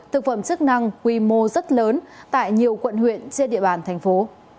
thực phẩm chức năng quy mô rất lớn tại nhiều quận huyện trên địa bàn thành phố